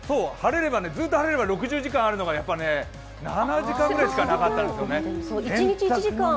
ずっと晴れれば６０時間あるのが７時間ぐらいしかなかったんですよね。